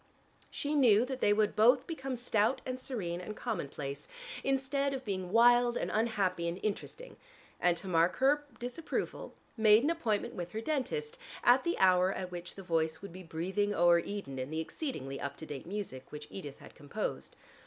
She knew that they would both become stout and serene and commonplace, instead of being wild and unhappy and interesting, and to mark her disapproval, made an appointment with her dentist at the hour at which the voice would be breathing over Eden in the exceedingly up to date music which Edith had composed.